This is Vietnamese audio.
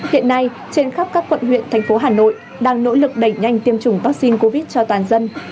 hiện nay trên khắp các quận huyện thành phố hà nội đang nỗ lực đẩy nhanh tiêm chủng vaccine covid cho toàn dân